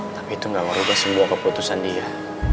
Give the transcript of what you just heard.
tapi itu tidak merubah semua keputusan dia